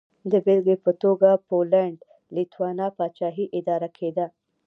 د بېلګې په توګه پولنډ-لېتوانیا پاچاهي اداره کېده.